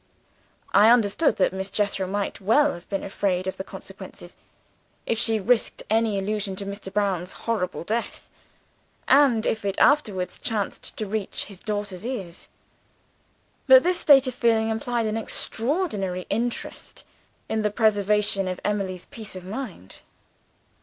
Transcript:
"I understood that Miss Jethro might well be afraid of the consequences, if she risked any allusion to Mr. Brown's horrible death, and if it afterward chanced to reach his daughter's ears. But this state of feeling implied an extraordinary interest in the preservation of Emily's peace of mind.